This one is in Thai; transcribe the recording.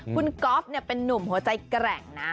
คุณก๊อฟเป็นนุ่มหัวใจแกร่งนะ